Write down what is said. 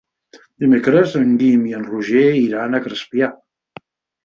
Dimecres en Guim i en Roger iran a Crespià.